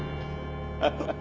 ハハハハ。